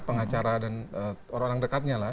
pengacara dan orang orang dekatnya lah